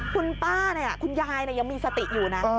คุณป้าเนี่ยคุณยายยังมีสติอยู่นะ